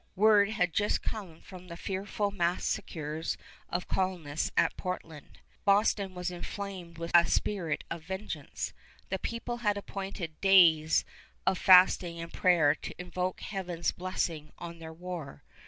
Word had just come of the fearful massacres of colonists at Portland. Boston was inflamed with a spirit of vengeance. The people had appointed days of fasting and prayer to invoke Heaven's blessing on their war.